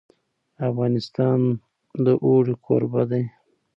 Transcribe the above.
افغانستان د اوړي کوربه دی.